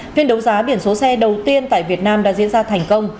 phiên đấu giá biển số xe đầu tiên tại việt nam đã diễn ra thành công